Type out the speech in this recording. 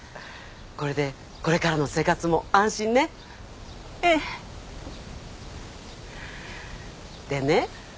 これでこれからの生活も安心ねええでね